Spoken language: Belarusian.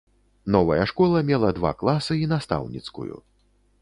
Новая школа мела два класы і настаўніцкую.